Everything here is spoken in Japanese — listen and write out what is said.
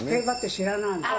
知らないか。